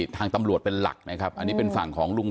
พูดเหมือนเดิมคือพูดอะไร